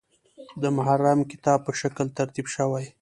د محرم کتاب په شکل ترتیب شوی.